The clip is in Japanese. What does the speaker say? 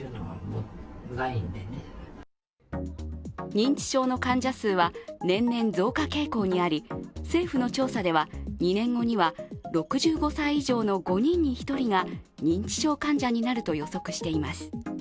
認知症の患者数は年々増加傾向にあり政府の調査では２年後には６５歳以上の５人に１人が認知症患者になると予測しています。